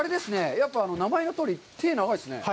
やっぱり名前のとおり手が長いですね。